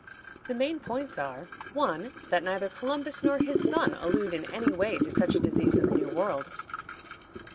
The main points are: 1. That neither Columbus nor his son allude, in any way, to such a disease in the New World.